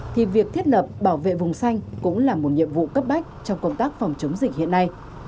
thì việc thiết lập bảo vệ vùng xanh cũng là một nhiệm vụ cấp bách trong công tác phòng chống dịch hiện nay